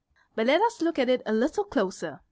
But let us look at it a little closer.